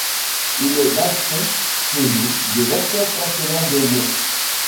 Il est basson solo de l'Orchestre national de Lyon.